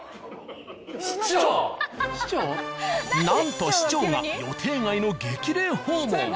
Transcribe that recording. なんと市長が予定外の激励訪問。